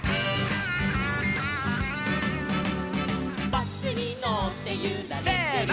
「バスにのってゆられてる」せの！